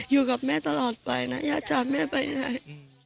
อยู่กับแม่ตลอดไปนะอยากจะแม่ไปได้